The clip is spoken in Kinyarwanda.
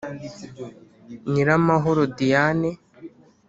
Nyiramahoro Diane